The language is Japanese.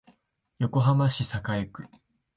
横浜市栄区